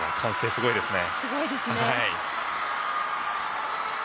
すごいですね。